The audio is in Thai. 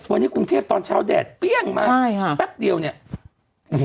วันนี้กรุงเทพตอนเช้าแดดเปรี้ยงมาแป๊บเดียวเนี่ย